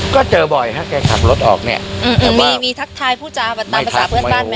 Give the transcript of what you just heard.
ก็เจอบ่อยฮะแกขับรถออกเนี่ยมีมีทักทายผู้จาแบบตามภาษาเพื่อนบ้านไหม